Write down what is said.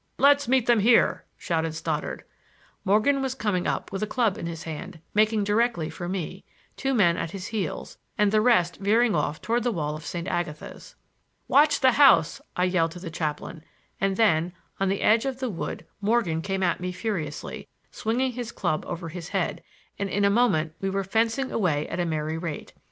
"Let's meet them here," shouted Stoddard. Morgan was coming up with a club in his hand, making directly for me, two men at his heels, and the rest veering off toward the wall of St. Agatha's. "Watch the house," I yelled to the chaplain; and then, on the edge of the wood Morgan came at me furiously, swinging his club over his head, and in a moment we were fencing away at a merry rate.